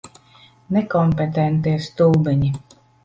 Nekompetentie stulbeņi.